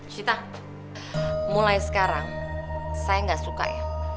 sita mulai sekarang saya gak suka ya